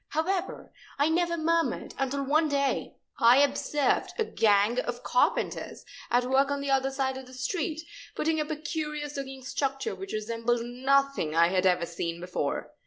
However, I never murmured until one day I observed a gang of carpenters at work on the other side of the street, putting up a curious looking structure which resembled nothing I had ever seen before.